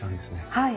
はい。